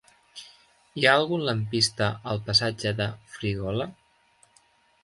Hi ha algun lampista al passatge de Frígola?